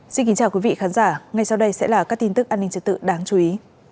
xin kính chào quý vị khán giả ngay sau đây sẽ là các tin tức an ninh trật tự đáng chú ý